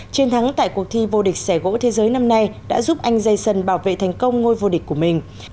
chiến thắng tại cuộc thi vô địch xẻ gỗ thế giới năm nay đã giúp anh dây sân bảo vệ thành công ngôi vô địch của mình